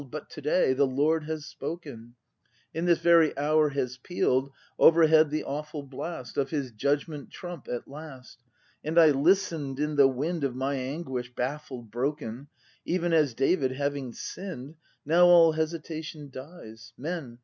But to day the Lord has spoken, In this very hour has peal'd Overhead the awful blast Of His Judgment trump at last, — And I listen'd, in the wind Of my anguish, baffled, broken, — Even as David, having sinn'd —; Now all hesitation dies. Men